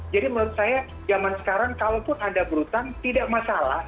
jadi menurut saya zaman sekarang kalaupun anda berutang tidak masalah